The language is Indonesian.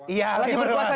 iya lagi berkuasa